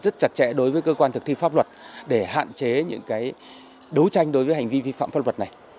rất chặt chẽ đối với cơ quan thực thi pháp luật để hạn chế những đấu tranh đối với hành vi vi phạm pháp luật này